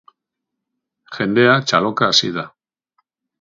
Jendea txaloka hasi da.